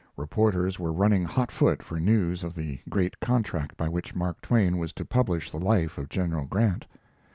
Reporters were running hot foot for news of the great contract by which Mark Twain was to publish the life of General Grant.